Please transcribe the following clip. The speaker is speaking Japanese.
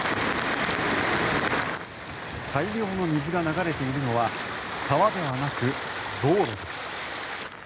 大量の水が流れているのは川ではなく道路です。